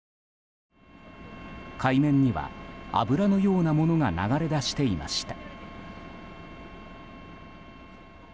海面には、油のようなものが流れ出していました。